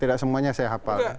tidak semuanya saya hafal